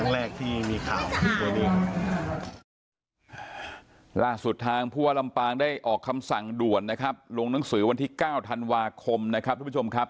ล่าสุดทางผู้ว่าลำปางได้ออกคำสั่งด่วนนะครับลงหนังสือวันที่๙ธันวาคมนะครับทุกผู้ชมครับ